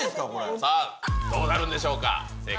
さあ、どうなるんでしょうか。